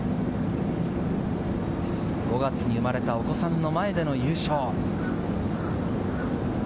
５月に生まれたお子さんの前での優勝。